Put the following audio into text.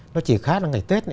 nó chỉ khác là ngày tết